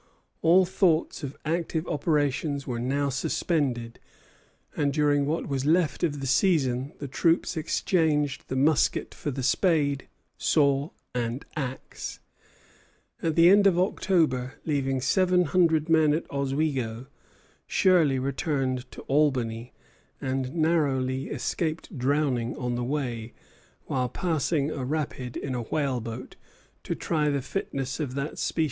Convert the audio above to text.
All thoughts of active operations were now suspended, and during what was left of the season the troops exchanged the musket for the spade, saw, and axe. At the end of October, leaving seven hundred men at Oswego, Shirley returned to Albany, and narrowly escaped drowning on the way, while passing a rapid in a whale boat, to try the fitness of that species of craft for river navigation.